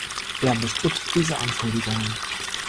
Er bestritt diese Anschuldigungen.